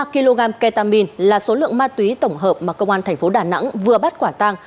ba kg ketamine là số lượng ma túy tổng hợp mà công an tp đà nẵng vừa bắt quả tăng